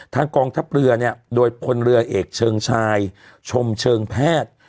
กองทัพเรือเนี่ยโดยพลเรือเอกเชิงชายชมเชิงแพทย์